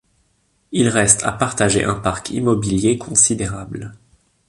Il reste à partager un parc immobilier considérable.